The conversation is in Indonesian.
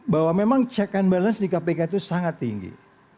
bahwa memang check and balance di kpk itu sangat tinggi